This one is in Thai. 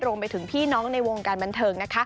รวมไปถึงพี่น้องในวงการบันเทิงนะคะ